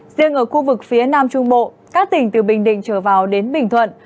riêng ở khu vực phía nam trung bộ các tỉnh từ bình định trở vào đến bình thuận